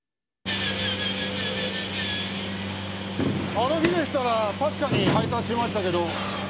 あの日でしたら確かに配達しましたけど。